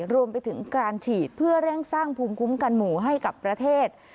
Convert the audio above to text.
รวมไปถึงการฉีดเพื่อเร่งสร้างภูมิคุ้มกันหมู่ให้กับประเทศ